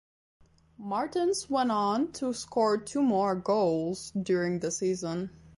Martins went on to score two more goals during the season.